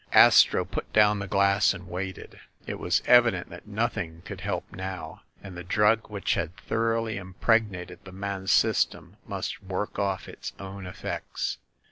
Astro put down the glass and waited. It was evi dent that nothing could help now, and the drug which had thoroughly impregnated the man's system must work off its own effects.